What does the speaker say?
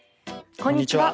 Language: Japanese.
こんにちは。